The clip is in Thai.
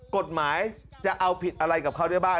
กฎหมายจะเอาผิดอะไรกับความเชื่อบ้า